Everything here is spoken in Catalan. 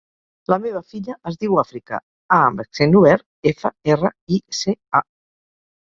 La meva filla es diu Àfrica: a amb accent obert, efa, erra, i, ce, a.